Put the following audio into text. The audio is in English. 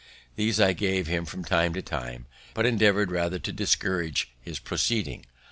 These I gave him from time to time, but endeavour'd rather to discourage his proceeding.